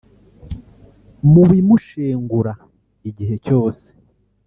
Mu bimushengura igihe cyose